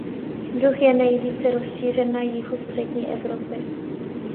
Druh je nejvíce rozšířen na jihu Střední Evropy.